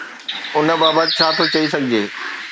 ان بابت ڇا ٿو چئي سگهجي؟